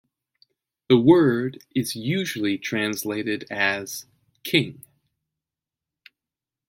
The word is usually translated as "king".